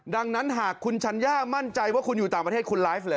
ดังนั้นหากคุณชัญญามั่นใจว่าคุณอยู่ต่างประเทศคุณไลฟ์เลย